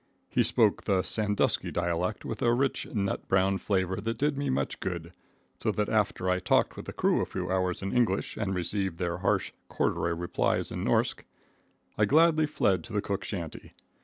He spoke the Sandusky dialect with a rich, nut brown flavor that did me much good, so that after I talked with the crew a few hours in English, and received their harsh, corduroy replies in Norske, I gladly fled to the cook shanty.